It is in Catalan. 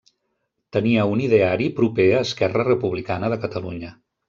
Tenia un ideari proper a Esquerra Republicana de Catalunya.